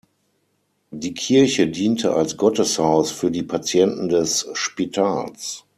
Die Kirche diente als Gotteshaus für die Patienten des Spitals.